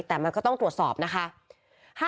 แต่มันก็ต้องตรวจสอบนะคะ